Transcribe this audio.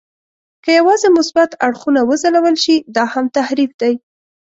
که یوازې مثبت اړخونه وځلول شي، دا هم تحریف دی.